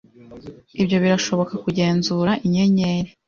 Ibyo birashobora kugenzura Inyenyeri